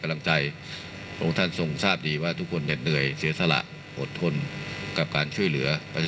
ทรงมีลายพระราชกระแสรับสู่ภาคใต้